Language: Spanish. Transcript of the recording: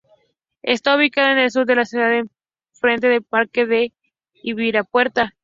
Está ubicado en el sur de la ciudad en frente al Parque do Ibirapuera.